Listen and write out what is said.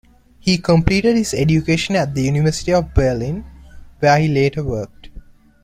He completed his education at the University of Berlin, where he later worked.